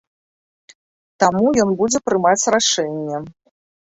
Таму, ён будзе прымаць рашэнне.